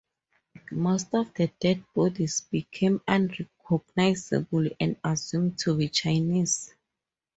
Most of the dead bodies became unrecognizable and assumed to be "Chinese".